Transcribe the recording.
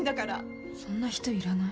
そんな人いらない。